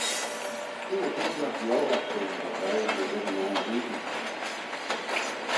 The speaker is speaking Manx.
T'eh dy kinjagh miolagh shin dy reih ny reddyn ain hene.